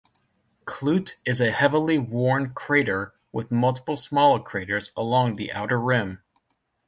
Klute is a heavily worn crater with multiple smaller craters along the outer rim.